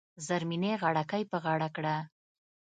زرمینې غاړه ګۍ په غاړه کړه .